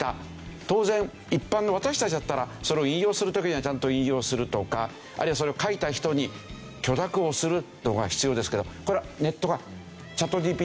当然一般の私たちだったらそれを引用する時にはちゃんと引用するとかあるいはそれを書いた人に許諾をするのが必要ですけどこれをネットが。